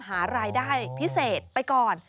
หารายได้พิเศษไปก่อน